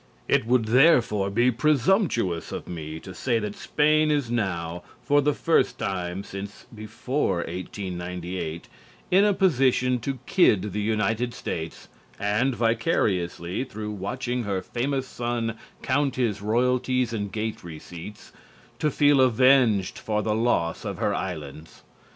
It would therefore be presumptuous of me to say that Spain is now, for the first time since before 1898, in a position to kid the United States and, vicariously through watching her famous son count his royalties and gate receipts, to feel avenged for the loss of her islands.